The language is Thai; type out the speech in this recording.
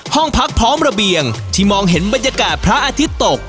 ห้องพักพร้อมระเบียงที่มองเห็นบรรยากาศพระอาทิตย์ตก